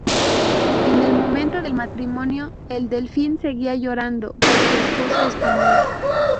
En el momento del matrimonio, el Delfín seguía llorando por su esposa española.